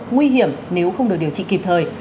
nguy hiểm nếu không được điều trị kịp thời